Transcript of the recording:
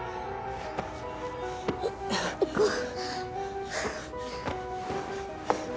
行こう。